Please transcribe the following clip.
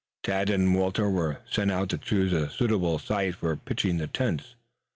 Tad and Walter were sent out to choose a suitable site for pitching the tents.